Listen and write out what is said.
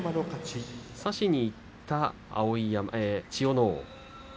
差しにいった千代ノ皇。